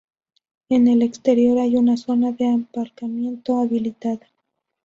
En el exterior hay una zona de aparcamiento habilitada.